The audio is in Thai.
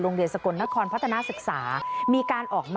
โรงเรียนสะกลนครพัฒนาศึกษามีการออกมา